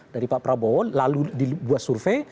dari pak prabowo lalu dibuat survei